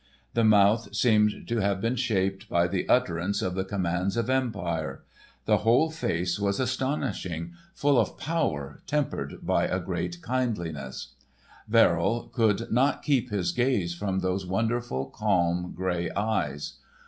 The mouth seemed to have been shaped by the utterance of the commands of Empire. The whole face was astonishing, full of power tempered by a great kindliness. Verrill could not keep his gaze from those wonderful, calm grey eyes.